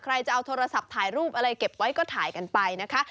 จะเอาโทรศัพท์ถ่ายรูปอะไรเก็บไว้ก็ถ่ายกันไปนะคะ